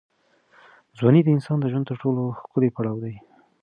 ځواني د انسان د ژوند تر ټولو ښکلی پړاو دی.